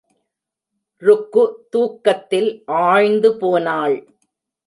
ருக்கு தூக்கத்தில் ஆழ்ந்து போனாள்.